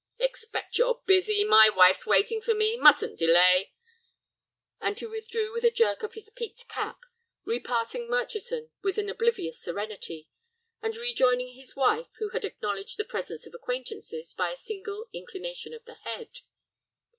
"Expect you're busy. My wife's waiting for me; mustn't delay," and he withdrew with a jerk of his peaked cap, repassing Murchison with an oblivious serenity, and rejoining his wife, who had acknowledged the presence of acquaintances by a single inclination of the head.